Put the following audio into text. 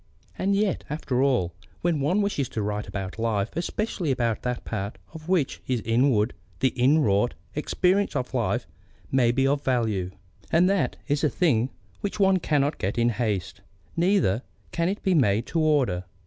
And yet, after all, when one wishes to write about life, especially about that part of it which is inward, the inwrought experience of living may be of value. And that is a thing which one cannot get in haste, neither can it be made to order.